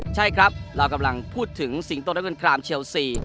ใช่ครับเรากำลังพูดถึงสิงโตและเงินครามเชลซี